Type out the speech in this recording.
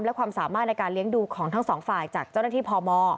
และความสามารถในการเลี้ยงดูของทั้งสองฝ่ายจากเจ้าหน้าที่พม